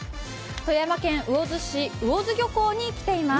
富山県魚津市魚津漁港に来ています。